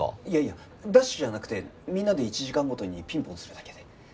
いやいやダッシュじゃなくてみんなで１時間ごとにピンポンするだけで。